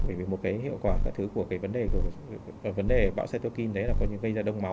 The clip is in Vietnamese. bởi vì một cái hiệu quả cả thứ của cái vấn đề bão cytokine đấy là gây ra đông